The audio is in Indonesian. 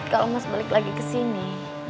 kalau mas balik lagi kesini